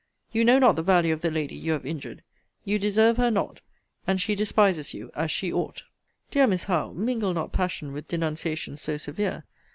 You know not the value of the lady you have injured. You deserve her not. And she despises you, as she ought. Dear Miss Howe, mingle not passion with denunciations so severe.